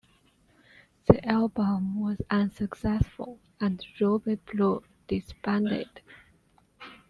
The album was unsuccessful, and Ruby Blue disbanded.